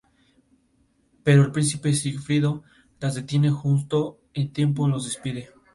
Thomas no tenía pensado que hacer con su vida y que estudios realizar.